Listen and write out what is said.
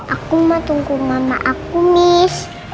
aku mau tunggu mama aku miss